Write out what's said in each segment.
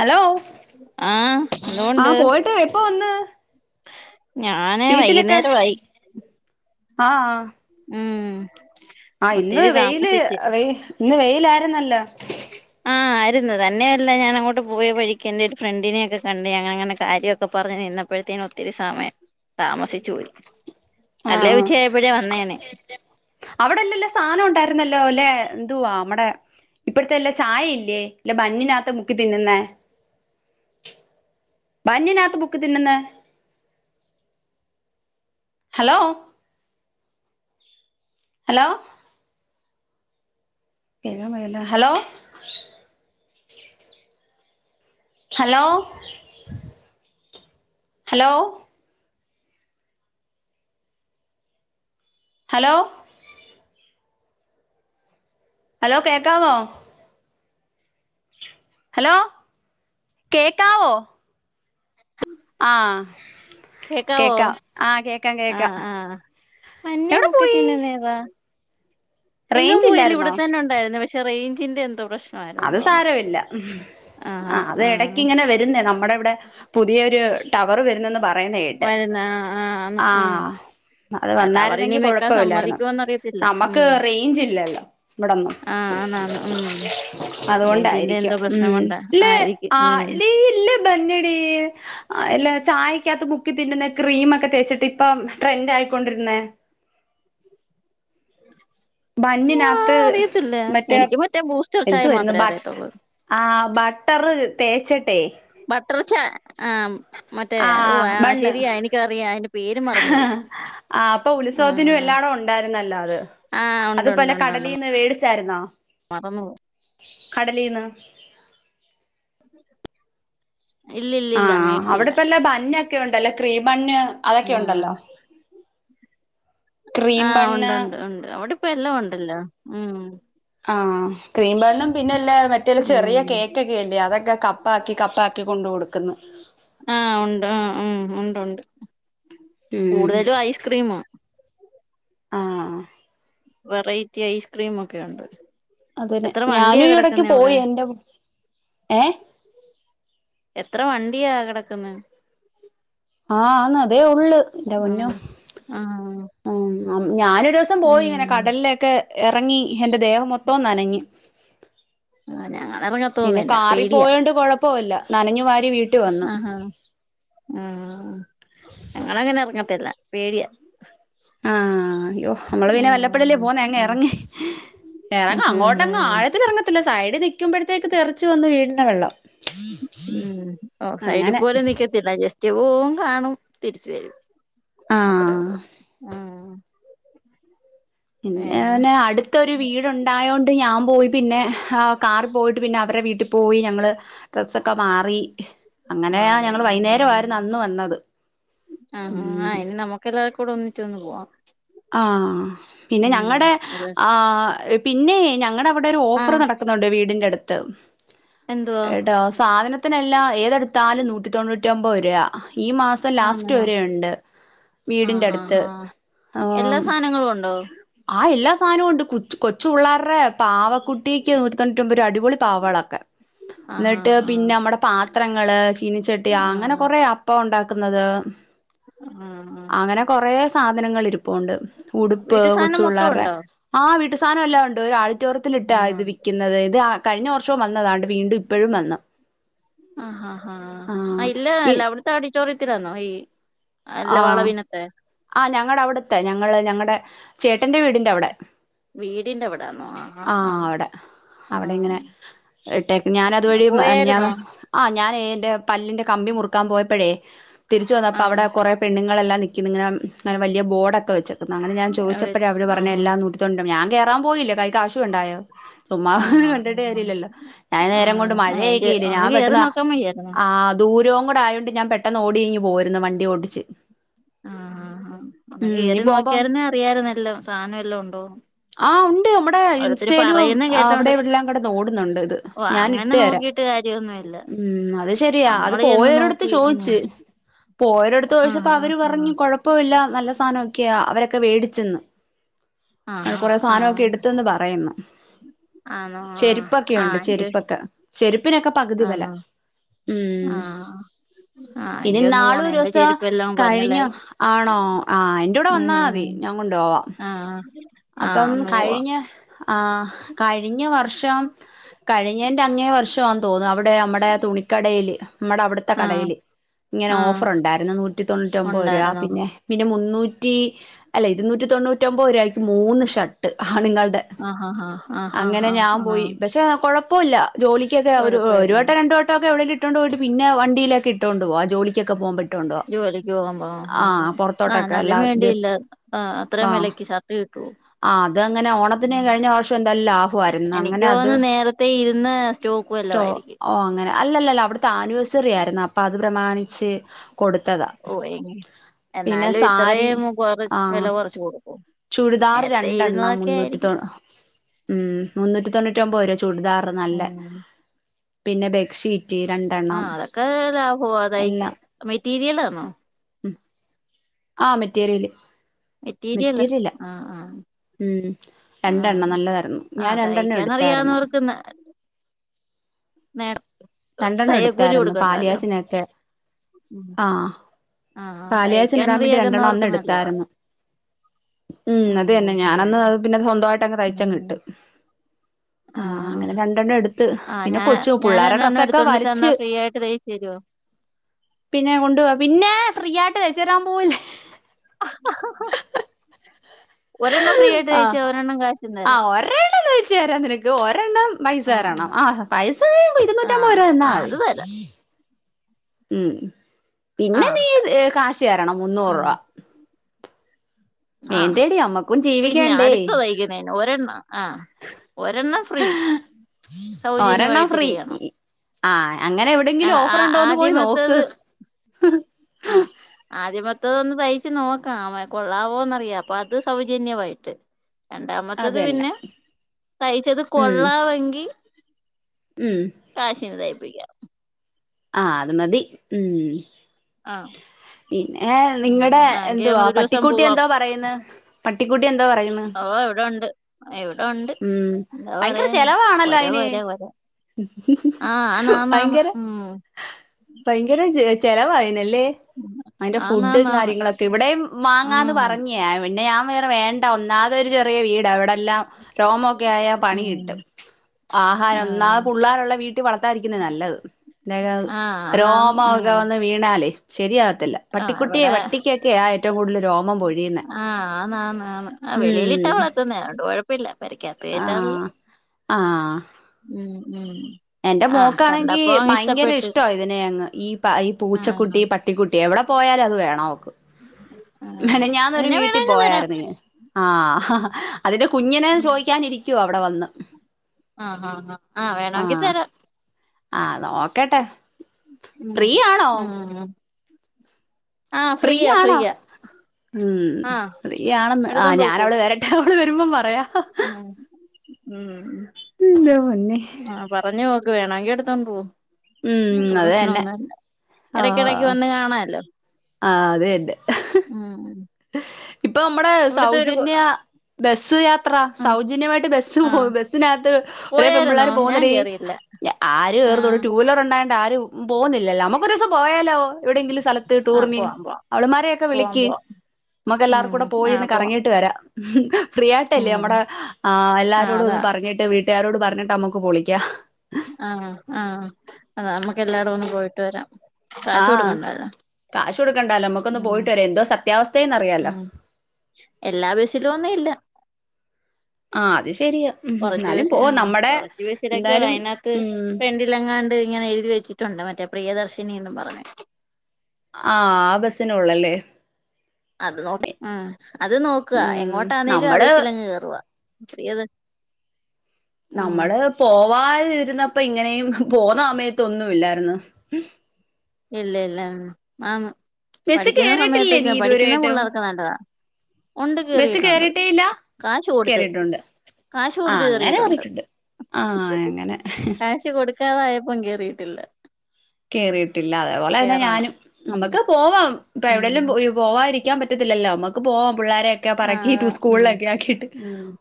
Hello ആഹ് എന്തോണ്ട് ആഹ് പോയിട്ട് എപ്പ വെന്ന്? ഞാന് ബീച്ചിലൊക്കെ വൈകുന്നേരമായി ആഹ്. ഉം ആഹ് ഇന്ന് ഒത്തിരി വെയ്ല് താമസിച്ച് അ ഇന്ന് വെയ്ല് ആര്ന്നല്ലോ. ആഹ് ആര് ന്നു തന്നെയല്ല ഞാൻ അങ്ങോട്ട് പോയി വഴിക്കെന്നെ ഒര് ഫ്രണ്ടിനെയൊക്കെ കണ്ട് ഞങ്ങ അങ്ങെനെ കാര്യയൊക് ഒക്കെ പറഞ്ഞ് നിന്നപ്പോഴത്തേനും ഒത്തിരി സമയം താമസിച്ചു പോയി ആ അല്ലേ ആ ഉച്ച ആയപ്പോഴേ വന്നേനെ അവിടെല്ലല്ലോ സാധനം ഉണ്ടായിരുന്നല്ലോ ല്ലെ എന്തുവാ നമ്മടെ ഇപ്പഴത്തെല്ലെ ചായ ഇല്ലേ ഇല്ല ബന്നിനകത്ത് മുക്കി തിന്നുന്നെ ബന്നിനകത്ത് മുക്കി തിന്നുന്നെ hello hello hello hello hello hello hello കേക്കാവോ ഹലോ കേക്കാവോ ആഹ് കേക്കാവോ കേക്കാം ആഹ് കേക്കാം കേക്കാം ആഹ് ആഹ് മഞ്ഞ എവിടെ മുക്കി പോയി തിന്നുന്നേതാ എങ്ങും റേഞ്ച് പോയില്ല ഇല്ലായിരുന്നോ ഇവിടെത്തന്നെ ഉണ്ടായിരുന്നു പക്ഷേ റേഞ്ചിന്റെ എന്തോ പ്രശ് അത് സാരമില്ല ആഹ് ആ ആഹ് അത് ആഹ് എടക്കിങ്ങനെ വരുന്നേ നമ്മുടെ ഇവിടെ പുതിയൊരു ടവറ് വരുന്നെന്ന് പറയുന്നെ കേട്ട് വരുന്ന ആഹ് ആഹ് ആന്ന് ഉം ആഹ് അത് വന്നായിരുന്നെങ്കി ടവറിനി വെക്കാൻ കൊഴപ്പമില്ലായിരുന്നു സമ്മതിക്കുവോന്നറിയത്തില്ല നമുക്ക് ഉം റേഞ്ച് ഇല്ലല്ലോ ആഹ് ആന്നാന്ന് ഉം റേഞ്ചിന്റെ അതുകൊണ്ടായിരിക്കാം എന്തോ മ് പ്രശ്നം കൊണ്ടാ ഇല്ലെ ആയിരിക്കും ആ ഉം ടീ ഇല്ല ബന്നെടീ ആ അല്ല ചായക്കകത്ത് മുക്കി തിന്നുന്ന ക്രീമൊക്കെ തേച്ചിട്ട് ഇപ്പം ട്രെൻഡായിക്കൊണ്ടിരുന്നേ ബന്നിനകത്ത് ആഹ് അറിയത്തില്ല മറ്റേ എനിക്ക് ബൂസ്റ്റർ ചായ എന്തുവായിരുന്നു മാത്രമേ ബ അറിയത്തുള്ളൂ ആ ബട്ടറ് തേച്ചിട്ടെ ബട്ടർ ച ആഹ് മറ്റേ ഓ ആഹ് ആ ബണ്ണ് ശെരിയാ എനിക്കറിയാം അയിന്റെ പേര് മറന്നുപോയി ആഹ് അപ്പൊ ഉത്സവത്തിനും ആഹ് എല്ലായിടോം ഉണ്ടായിരുന്നല്ലോ അത് ആഹ് അത്പ്പോലെ കടലീന്ന് വേടിച്ചായിരുന്നോ മറന്നുപോവും കടലീന്ന് ആ ഇല്ലില്ലില്ല അവിടെ മേടിച്ചില്ല ഇപ്പല്ല ബന്നൊക്കെ ഉണ്ടല്ലോ ക്രീം ബന്ന് ആഹ് ക്രീം ആഹ് ബണ്ണ് ഉണ്ടൊണ്ട് ഒണ്ട് അവിടെ ഇപ്പ എല്ലാം ഉണ്ടല്ലോ ഉം ആഹ് ക്രീം ബണ്ണും പിന്നെല്ല മറ്റേരു ചെറിയ ഉം കേക്കൊക്കെല്ലേ അതൊക്കെ കപ്പാക്കി കപ്പാക്കി കൊണ്ട് കൊടുക്കുന്നു ആഹ് ഒണ്ട് ആഹ് മ് ഒണ്ടൊണ്ട് ഉം കൂടുതലും ഐസ്ക്രീമാ ആഹ് വെറൈറ്റി ഐസ്ക്രീമൊക്കെ ഒണ്ട് അതന്നെ ഞാനുംഈ ഇടക്ക് പോയി എന്റെ ഏ- എത്ര വണ്ടിയാ കിടക്ക്ന്നെ ആഹ് ആന്ന് അതേ ഒള്ള് എന്റെ ആഹ് പൊന്നോ ആഹ് മ് ഞാനൊര് ദിവസം പോയി ഇങ്ങനെ ഉം കടലില് ക്കെ എറങ്ങി എന്റെ ദേഹം മൊത്തോ നനഞ്ഞ് ആഹ് പിന്നെ ഞങ്ങളെറങ്ങത്തൊന്നുല്ല കാറിപോയോണ്ട് കൊഴ- പ്പോല്ല നനഞ്ഞു വാ ആഹ് ആഹ് ആഹ് ഞങ്ങളങ്ങനെ ഇറങ്ങത്തില്ല പേടിയ ആഹ് അയ്യോ നമ്മള് പിന്നെ വല്ലപ്പോഴല്ലേ പോന്നെ ഉം അങ്ങെറങ്ങി ഉം എറങ്ങു അങ്ങോട്ടങ്ങ് ഉം ആഴത്തില് ഇറങ്ങത്തില്ല സൈഡ് നിക്കുമ്പോഴത്തേക്ക് തെറിച്ചു വന്നു വീഴിന്നെ വെള്ളം ഉം ഓഹ് സൈഡി അങ്ങനെ പോലും നിക്കത്തില്ല ജസ്റ്റ് പോവും കാണും തിരിച്ച് വരും അത്രേ ആഹ് ഉള്ളൂ ഉം ഉം പിന്നേനെ അടു ത്തൊരു വീടുണ്ടായോണ്ട് ഞാൻ പോയി പിന്നെ കാറ് പോയിട്ട് പിന്നെ അവരുടെ വീട്ടി പോയി ഞങ്ങള് ഡ്രസ്സൊക്കെ മാറി. അങ്ങനെയ മാറിയോ ഞങ്ങള് വൈന്നേരവായിര്ന്ന് അന്ന് വന്നത് ഉം. ക്കെല്ലാവർക്കൂടെ ഒന്നിച്ചൊന്ന് പോവാം. ആഹ് പിന്നെ ഉം ഞങ്ങടെ ഒരു ആഹ് പിന്നേയ് ഞങ്ങടെവടെ ഒരു ഓഫർ നട ക്കുന്നുണ്ട് വീടിന്റെടുത്ത്. എന് ഏട്ടോ സാധനത്തിനെല്ലാം ഏതെടുത്താലും നൂറ്റി തൊണ്ണൂറ്റൊമ്പത് രൂപ ഈ മാസം ലാസ്റ്റ് ആന്നോ റ്റുവരെണ്ട് ആഹ് വീടിന്റെടുത്ത്. ആഹ് ആഹ് എല്ലാ സാനങ്ങളുണ്ടോ? ആഹ് എല്ലാ സാനുണ്ട് കൊച്ചു പിള്ളേറെ പാവക്കുട്ടീക്ക് നൂറ്റി തൊണൂറ്റിമ്പത് രൂപാ അടിപൊളി പാവകളൊക്കെ. ആഹ് ന്നട്ട് ആഹ് പിന്നെ നമ്മടെ പാത്രങ്ങള് ചീനിച്ചട്ടിയ അങ്ങനെ ആഹ് കുറേ പ്പൊണ്ടാക്കുന്നത് ആഹ് ആഹ് അങ്ങനെ കൊറേ സാധനങ്ങൾ ഇരി പ്പുണ്ട് ഉടുപ്പ് വീട്ടു സാധനം മൊത്തം ച്ചുപിളളാര്ടെ ഉണ്ടോ ആഹ് വീട്ടു സാനല്ലാ ഉണ്ട് ഒരുആടിറ്റോറിയത്തിലിട്ടാ ഇത് ആഹ് വിൽക്കുന്നത് ഇത് കഴിഞ്ഞ വർഷവും വന്നതാ വീണ്ടും ഇപ്പഴും വന്ന് ആഹ് ഈ ത്തെ ഓഡിറ്റോറിയത്തിലാന്നോ ഈ അല്ല വളവിനത്തെ ആഹ് ഞങ്ങടെ അവിടത്തെ ഞങ്ങള് ഞങ്ങടെ ചേട്ടന്റെ വീടിന്റവിടെ. വീടിന്റ വിടാന്നോ ആഹ് ആഹ് ആഹ്. അവിടെങ്ങനെ ഇട്ടേക്ക് ആഹ് ആഹ് ഞാനതുവഴി പോയായിരുന്നോ മിനിഞ്ഞാന്ന് ആഹ് ഞാനേ ന്റെ പല്ലിന്റെ കമ്പി മുറുക്കാൻ പോയപ്പോഴേ തിരിച്ച് വന്നപ്പോ അവിടെ ആഹ് കുറെ പെണ്ണ്ങ്ങളെല്ലാം നിക്ക്ന്ന് ഇങ്ങനെ ങ്ങനെ വല്ല്യാ ബോർഡൊക്കെ വെച്ചു. ന്നാ അങ്ങനെ ഞാൻ ചോയ്ച്ചപ്പോഴേ വെച്ച് അവര് ആഹ് പറഞ്ഞല്ലാം നൂറ്റിതൊണ്ണൂറ്റൊമ്പത് ഞാൻ കേറാൻ പോയില്ല കൈയി കാശുണ്ടായോ. ചുമ്മാ ഇത് ആഹ് കണ്ടിട്ട് ആഹ് കാര്യല്ലല്ലോ ഞാൻ നേരം കൊണ്ട് ആഹ് ആഹ് മഴയക്കയായില്ല ഒന്ന് ഞാൻ കേറി പെട്ടെന്ന് നോക്കാൻ വയ്യായിരുന്നോ ആഹ്. ദൂരൊങ്കൂടെ ആയോണ്ട് ഞാൻ പെട്ടെന്ന് ഓടി ഇങ്ങ്പോയിരുന്നു വണ്ടി ഓട്ടിച്ച്. ആഹ് ആഹ് ആഹ് അമ്മക്ക് നീ ഏത് പോകുമ്പോ നോക്കിയരുന്നേ അറിയാരുന്ന എല്ലാം സാനം എല്ലാം ഉണ്ടോന്ന്. ആഹ് ഉണ്ട് നമ്മടെ ഓരോരുത്തര് ഇൻസ്റ്റയിലും പറയുന്ന കേട്ടോണ്ട് അവിടെ ഇവിടെല്ലാം കടന്നോടുന്നുണ്ട് ഇത് ഓ ഞൻ അങ്ങനെ ഇട്ടേരാം. നോക്കിട്ട് കാര്യൊന്നുല്ല ഉം. അത് ശെരിയാ അത് നമ്മള് ചെന്ന് പോയവരടുത്ത് നോക്കി ഉം ചോദിച്ച്. പോയരടുത്ത് ചോയ്ച്ചപ്പോ ആഹ് അവര് ആഹ് പറഞ്ഞു കൊഴ പ്പുല്ലാ നല്ല സാനൊക്കെയാ അവരൊക്കെ വേടിച്ചന്ന്. ങ്ങൾ ആഹ് ആഹ് കൊറേ സാനോക്കെ ആഹ് എടുത്തന്ന് പറയുന്നു. ആണോ ആഹ് ചെരുപ്പൊക്കെയുണ്ട് ആഹ് എങ്കി ചെരുപ്പൊക്കെ ചെരുപ്പിനൊക്കെ പകുതി വില. ആണോ ഉം. ആഹ് ആഹ് എങ്കി ഒന്ന് ഇനിനാള് പോണം എന്റെ ഒരീസം ചെരുപ്പെല്ലാം കഴിഞ്ഞു പന്നലായി ആഹ് ണോ ആഹ് എന്റെ കൂടെ വന്നാമതി ഉം ഞാൻ കൊണ്ടോവാം ആഹ് ആഹ് അപ്പം ഒന്ന് പോവാ കഴിഞ്ഞ ആഹ് കഴിഞ്ഞ വർഷോ കഴിഞ്ഞേൻ്റെ അങ്ങേ വർഷാന്ന് തോന്നുന്നു അവ ടെ അമ്മടെ തുണിക്കടയില് നമ്മടെ അവിട് ത്തെ ആഹ് കടേല് ഇങ്ങനെ ആഹ് ഓഫർ ഉണ്ടായിരുന്നു നൂറ്റി തൊണ്ണൂറ്റി ഒൻമ്പത് രൂപ ഉണ്ടായിരുന്നോ പിന്നെ പിന്നെ മുന്നൂറ്റി അല്ലെ ഇരുന്നൂറ്റി തൊണ്ണൂറ്റി ഒമ്പത് രൂപാക്ക് മൂന്ന് ഷർട്ട് ആണിങ്ങൾടെ. ആഹ് ആഹ് ആഹ് ആഹ് അങ്ങനെ ഞാൻ ആഹ് പോയി ആഹ് പക്ഷെ കൊയ ഇപ്പൊല്ല ജോലിക്കൊക്കെ അവരു ഒരു കൊഴപ്പല്ല വട്ടം രണ്ട് വട്ടവൊക്കെ എവിടെങ്കി ഇട്ടോണ്ടു പോയിട്ട് പിന്നെ വണ്ടിയിലൊക്കെ ഇട്ടോണ്ട് പോക ജോലിക്കൊക്കെ പോവുമ്പ ഇട്ടോണ്ടു പോവാ. ജോലിക്ക് പോകുമ്പ ആഹ് ആ ആഹ് ആഹ് പുറത്തോട്ടൊക്കെ അല്ല എന്നാലും വേണ്ടിയില്ല ജസ്റ്റ് ആഹ് അത്രേം വിലക്ക് ഷർട്ട് കിട്ടോ. ആഹ് അത് അങ്ങനെ ഓണത്തിന് കഴിഞ്ഞ വർഷം നല്ല ലാഭമായിരുന്നു എനിക്ക് അങ്ങനെ അത്. തോന്നുന്നു നേരത്തെ ഇരുന്ന്. സ്റ്റോക്കു എല്ല. സ്റ്റോ ഓ അങ്ങനെ അല്ലല്ലല്ല അവിടുത്തെ ആനിവേഴ്സറി ആയിരുന്നു അപ്പ അത് പ്രമാണിച്ച് കൊടുത്തതാ. ഓഹ് എങ്കി പിന്നെ എന്നാലും സാരി ഇത്രയും കൊറ ആ വെല കൊറച്ച് കൊടുക്കോ ഏ ചുരിദാർ രണ്ടെണ്ണം മുന്നൂറ്റി തൊ ഉം മുന്നൂറ്റി തൊണ്ണൂറ്റ്യൊമ്പത് വെരെ ചുര്ദാറ് നല്ലെ. ഉം പിന്നെ ബെഡ്ഷീറ്റ് ര ആഹ് അതൊക്കെ ലാഭൊവ അതായിറ്റ് മെറ്റീരിയലാണോ. ആഹ് മെറ്റേരിയല് മെറ്റീര്യലാ ആഹ് ആഹ്. ഉം രണ്ടെണ്ണം ആഹ് നല്ലതാര്ന്നു ഞാൻ രണ്ടെണ്ണം എടുത്താര്ന്ന്. ച്ച്ന്നാ. നേട രണ്ടെണ്ണം എടുത്താര്ന്നു പാല്കാച്ച്നെക്കെ. ഉം ആഹ് ആഹ് പാല്കാച്ച്ന് തയ്ക്കാൻ ഇടാൻ വേണ്ടി രണ്ടെണ്ണം അറിയാകുന്നവർക്ക് നല്ലതാ അന്നെട്ത്തായ്ര്ന്നു. ഉം അത് തന്നെ ഉം ഞാനന്ന്ത് പിന്നെ സ്വന്തവായ്ട്ടങ്ങ് ഉം തയ്ച്ചങ് ഉം ഇട്ട്. ആഹ് അങ്ങെനെ രണ്ടെണ്ണെട്ത്ത് പിന്നെ കൊച്ചു പുള്ളാരെ ഡ്രസ് [unintelligible] ണ്ണ് തെന്നാ ഫ്രീയായ്ട്ട് തയ്ച്ചെരോ. പിന്നെ കൊണ്ടുവാ പിന്നേ ഫ്രീയായ്ട്ട് തയ്ച്ചെരാൻ പോവല്ലേ. ഒരെണ്ണം ഫ്രീ ആയിട്ട് ആഹ് തയ്ച്ചോ ഒരെണ്ണം കാശും തരാം ആഹ് ഒരെണ്ണം തയ്ച്ചെരാം നിനക്ക് ഒരെണ്ണം. പൈസ തരണം ആഹ് പൈസ ഇര്ന്നൂറ്റൻമ്പത് ആഹ് രൂപ തന്നാ ആഹ് മതി. അത് തരാം ഉം പിന്നെ ആഹ് നീ എ കാശ് തരണം മുന്നൂറ് ഉം രൂപ. ആഹ് വേണ്ടേടി നമ്മക്കും പിന്നെ ജീവിക്കണ്ടേ അടുത്തെ തയ്ക്കുന്നേന് ഒരെണ്ണം ആഹ് ഒരെണ്ണം. ഫ്രീ. ഒരെണ്ണം സൗജന്യമായ്ട്ട് ഫ്രീ ചെയ്യണം ആ അങ്ങനെ ആ എവിടെങ്കിലും ആ ഓഫർ ഉണ്ടോന്ന് പോയി നോക്ക് ആദ്യമെത്തത്. ആഹ്. ആദ്യമത്തതൊന്ന് തയ്ച്ച് നോക്കാം കൊള്ളാവോന്നറിയാം അപ്പത് സൗജന്യവായിട്ട്. രണ്ടാമത്തത് അതന്നെ പിന്നെ തയ്ച്ചത് ഉം കൊള്ളാവെങ്കി. ഉം. കാശിന് തയ്പ്പിക്ക്യാം. ആഹ് അത് മതി ഉം. ആഹ്. പിന്നെ നിങ്ങടെ ഉം ആഹ് എങ്കി എന്തുവാ നമുക്ക് ഒരു ദിവസം പട്ടിക്കുട്ടി പോവാം എന്തോ പറയുന്ന്. ട്ടിക്കുട്ട്യെന്താ പറയിണ് ഓഹ് ഇവിടെ ഉണ്ട് ഇവിടെ ഉണ്ട് ഉം ഭയ്ങ്കര ചെലവാണല്ലൊ അയ്ന്. വര. ഭയങ്കര ഉം ഭയങ്കര ചെ ചെലവായ്നൽ ലേ അയ്ന്റെ ഫുഡ് ആന്നാന്നാന്ന് കാര്യങ്ങളൊക്കെ ഇവടേം വാങ്ങാന്ന് ഉം പറഞ്ഞെയാ പിന്നെ ഞാൻ വേറെ വേ ണ്ടാ ഒന്നാതൊരു ചെറ്യേ വീടാ ഇവടെല്ലാം രോമൊക്കെ ആയാ പണി കിട്ടും. ഉം ആഹാ ആഹ് ഒന്നാമത് പുള്ളാരുള്ള വീട്ടി വളർത്താതിരിക്കുന്നാ നല്ലത് ആഹ് [unintelligible] ആന്നാന്ന് രോമവക്കെ ഉം വന്ന്. വീണാലേ ശെരിയാകത്തില്ല. ആഹ് പട്ടിക്കുട്ട്യേ ഇവിടെ പട്ടിക്കെക്കയാ ഏറ്റവും കൂട്തൽ രോമം പൊഴിയുന്നെ ആഹ് ആന്നാന്ന് ആഹ് വെളിയിലിട്ടാ ഉം വളർത്തുന്നേ തോണ്ട് കൊഴ് പ്പെല്ലാ പെരക്കാത്ത് കേറ്റാറ്ല്ല ആഹ് ആഹ് ഉം ഉം എന്റെ ആഹ് മോക്കാണെങ്കി കണ്ടപ്പോ അങ്ങ് ഇഷ്ടപ്പെട്ട് ഭയ്ങ്കെരെഷ്ടാ ഇതിനെയങ്ങ് ഈ ഈ പൂച്ചക്കുട്ടി ആഹ് പ ട്ടിക്കുട്ടി എവിടെ പോയാല്വത് വേണവക്ക് ആഹ് മെനഞ്ഞാന്നൊര് ഇതിനെ വീട്ടി വേണങ്കി തരാം പോയായ്ര്ന്നേ ആഹ് അതിന്റെ കുഞ്ഞിനെ ഉം ചോയ്ക്കാനിരിക്കുവാ അവെടെ വന്ന് ആഹാ ആഹ് ആ നോക്കട്ടെ ഉം ഫ്രീ ആണോ ഉം ആഹ് ഫ്രീയാ ഫ്രീയാണോ ഫ്രീയാ ഉം ആഹ് ഫ്രീയാണെന്ന് ആ എടുത്തോണ്ട് പൊക്കോ ഞാനവൾ വെര അവൾ വെരുമ്പം പറയാ ഉം എന്റെ പൊന്നേ ആ പറഞ്ഞു നോക്ക് വേണെങ്കി എട്ത്തോണ്ട് പോ ഉം അത് തന്നെ പ്രെശ്നൊന്നല്ല എടയ്ക്കെടക്ക് ആഹ് വെന്ന് കാണാലോ ആഹ് അത്തന്നെ ഉം ഇപ്പമ്മടെ ഇവിടുത്തെ ഒരു സൗജന്യ ബസ്സ് യാ ത്ര ആഹ് സൗജന്യമായിട്ട് ബസ് പോ ആഹ് ബസ്സിനകത്ത് ഒരേ പോയായിരുന്നോ പെമ്പിള്ളേര് ഞാൻ പോകുന്നെടീ കേറിയില്ല ഞ ആര് കേറുന്നു ആഹ് ടു വീലർ ഉണ്ടായണ്ട് ആരും പോന്നില്ലല്ലോ. അമ്മക്കൊരൂസം പോയാലോ എവിടെയെങ്കിലും സ്ഥലത്ത് ആഹ് ടൂർന് പോവാം പോവാം അവള്മാരെയൊക്കെ പോവാം വിളിക്ക് പോവാം ഉം ക്കെല്ലാർകൂടെ പോയി ഒന്ന് ആഹ് പോവാം കറങ്ങിയിട്ട് വരാം ഫ്രീ ആയിട്ടല്ലേ ഉം നമ്മടെ ആഹ് എല്ലാരോടു ഒന്ന് അതാ പറ പറഞ്ഞിട്ട് വീട്ടുകാരോട് പറഞ്ഞിട്ട് അമ്മക്ക് പൊളിയ്ക്കാം ആഹ് ആഹ് അത അമ്മക്ക് എല്ലാടവും ഒന്ന് പോയിട്ട് വരാം കാശ് ആഹ് കൊടുക്കണ്ടല്ലോ കാശ് കൊടുക്കണ്ടാല്ലോ. അമ്മക്കൊന്ന് ഉം പോയിട്ട് വര എന്തോ സത്യാവസ്ഥ ഉം എല്ലാ ബസിലു ഒന്നുയില്ല ആഹ് അത് ശരിയാ ഉം കൊറച്ച് എന്നാലും ബസ് പോ നമ്മടെ കൊറച്ച് ബസ്സിലൊക്കെയൊൾ എന്തായാലും അതിനകത്ത് ഉം ഫ്ര ലെങ്ങാണ്ട് ഇങ്ങനെ എഴുതി വച്ചിട്ടുണ്ട് മറ്റേ പ്രിയദർശിനീന്നും പറഞ് ആഹ് ആ ബസിനൊള്ളല്ലേ അത് നോ മം അത് നോക്ക്ക ഉം എങ്ങോട്ടാന്നേലും ആ നമ്മള് ബസിലങ്ങ് കേറുവാ നമ്മള് പോവാതിരുന്നപ്പോ ഇങ്ങനെയും പോന്ന സമയത്തൊന്നുയില്ലായിരുന്ന് ഇല്ല ഇല്ല ആന്ന് ബസ് പഠിക്കുന്ന കേറിയിട്ടില്ലേ നീ സമയത്തെക്ക പഠിക്കുന്ന ഇതുവരെയായിട്ടും പുള്ളേർക്ക് നല്ലതാ ഉണ്ട് ബസ് കേറിയിട്ടുണ്ട് കേറിയിട്ടേ ഇല്ല കാശ് കൊടുത്ത് കേറിയിട്ടുണ്ട് കാശ്കൊട്ത്ത് കേറിയിട്ടുണ്ട് ആ എങ്ങനെ കാശ് കൊടുക്കാതായപ്പം കേറിയിട്ടില്ല കേറിയിട്ടില്ല അതേപോലെ തന്നെ കേറണം ഞാനും ഉം നമ്മക്ക് പോവാം ഇപ്പൊ ഉം എവിടെലും പോവാാതിരിക്കാൻ പറ്റത്തില്ലല്ലോ നമ്മക്ക് പോവാം പിള്ളോരെയൊക്കെ ആഹ് പെറക്കീട്ട് ഉം സ്കൂളിലൊക്കെ ആക്കിയിട്ട് [unintelligible]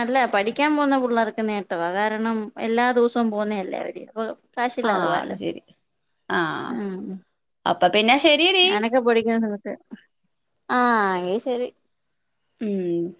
അല്ല പഠിക്കാൻ പോക്ന്ന പുള്ളേർക്ക് നേട്ടവാ കാരണം എല്ലാ ദിവസോം പോന്നയല്ലേ അവര് അപ്പ ആഹ്അത് ശരി ആഹ് അപ്പ പിന്നെ ശരി ഞാനക്ക പൊടിക്കക്ക് ആഹ് അത് എങ്കിശരി ഉം